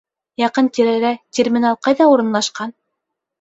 Яҡын тирәлә терминал ҡайҙа урынлашҡан?